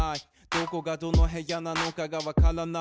どこがどの部屋なのかがわからない。